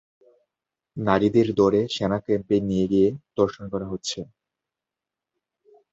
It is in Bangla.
নারীদের ধরে সেনা ক্যাম্পে নিয়ে গিয়ে ধর্ষণ করা হচ্ছে।